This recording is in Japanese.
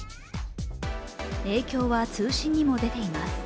影響は通信にも出ています。